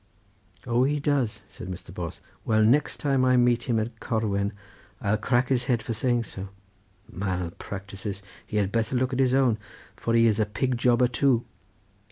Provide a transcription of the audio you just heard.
"O, he does," said Mr. Bos, "well the next time I meet him at Corwen I'll crack his head for saying so. Mal practices—he had better look at his own, for he is a pig jobber too.